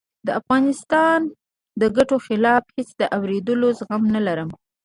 د افغانستان د ګټو خلاف هېڅ د آورېدلو زغم نه لرم